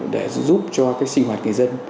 để giúp cho sinh hoạt kỳ dân